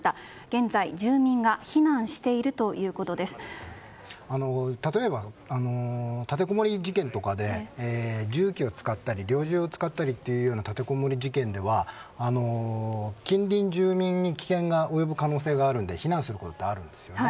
現在、住民が例えば立てこもり事件とかで銃器を使ったり猟銃を使ったりという立てこもり事件では近隣住民に危険が及ぶ可能性があるので避難することがあるんですよね。